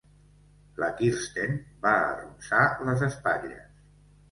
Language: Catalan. La Kirsten va arronsar les espatlles.